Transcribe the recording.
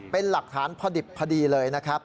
เป็นหลักฐานพอดีภัยเลยนะครับ